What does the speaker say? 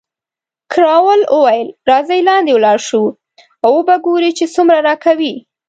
کراول وویل، راځئ لاندې ولاړ شو او وو به ګورو چې څومره راکوي.